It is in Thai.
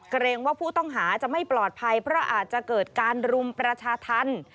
เกรงว่าผู้ต้องหาจะไม่ปลอดภัยเพราะอาจจะเกิดการรุมประชาธรรม